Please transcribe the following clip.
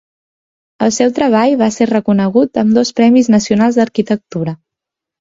El seu treball va ser reconegut amb dos premis nacionals d'arquitectura.